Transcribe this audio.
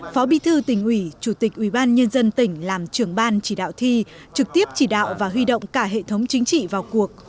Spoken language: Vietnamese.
phó bí thư tỉnh ủy chủ tịch ubnd tỉnh làm trưởng ban chỉ đạo thi trực tiếp chỉ đạo và huy động cả hệ thống chính trị vào cuộc